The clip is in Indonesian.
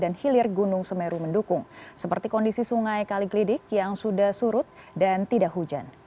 dan hilir gunung semeru mendukung seperti kondisi sungai kaliglidik yang sudah surut dan tidak hujan